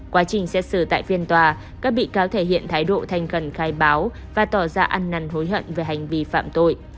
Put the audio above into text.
quá trình xét xử tại phiên tòa các bị cáo thể hiện thái độ thành khẩn khai báo và tỏ ra ăn năn hối hận về hành vi phạm tội